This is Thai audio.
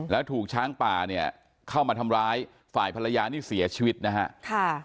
แล้วถูกช้างป่าเนี่ยเข้ามาทำร้ายฝ่ายภรรยานี่เสียชีวิตนะฮะ